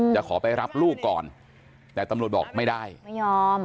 จะขอไปรับลูกก่อนแต่ตำรวจบอกไม่ได้ไม่ยอม